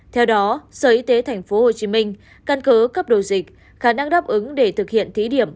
theo đó sở y tế tp hcm căn cứ cấp đồ dịch khả năng đáp ứng để thực hiện thí điểm